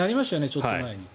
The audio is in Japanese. ちょっと前に。